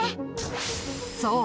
そう。